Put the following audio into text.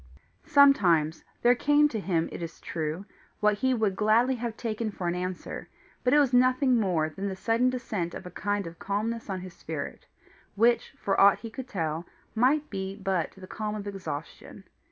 Sometimes there came to him, it is true, what he would gladly have taken for an answer, but it was nothing more than the sudden descent of a kind of calmness on his spirit, which, for aught he could tell, might be but the calm of exhaustion.